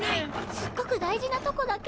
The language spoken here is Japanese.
すっごく大事なとこだけ。